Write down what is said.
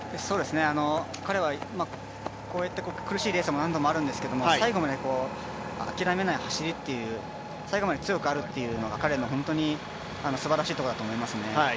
彼は、こういう苦しいレース何度もあるんですけど最後まで諦めない走りっていう最後まで強くあるっていうのが彼の本当にすばらしいところだと思いますね。